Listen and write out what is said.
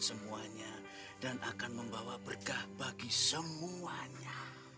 semuanya dan akan membawa berkah bagi semuanya